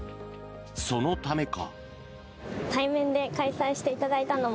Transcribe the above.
そのためか。